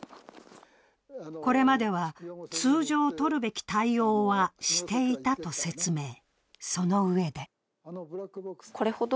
これまでは通常とるべき対応はしていたと説明。